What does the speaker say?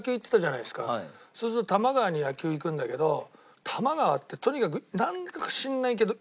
そうすると多摩川に野球行くんだけど多摩川ってとにかくなんか知らないけど。